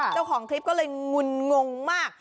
เจ้าของคลิปก็เลยงุนงงมาก